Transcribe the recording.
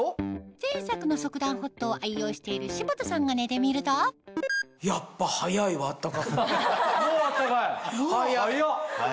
前作の速暖Ｈｏｔを愛用している柴田さんが寝てみるともうあったかい？